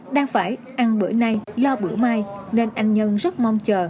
đang phải ăn bữa nay lo bưởi mai nên anh nhân rất mong chờ